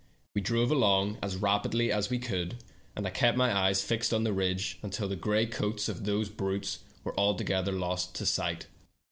We drove along as rapidly as we could, and I kept my eyes fixed on the ridge until the gray coats of those brutes were altogether lost to sight.